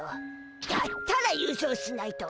だったら優勝しないと。